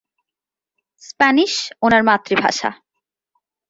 Spanish ওনার মাতৃভাষা।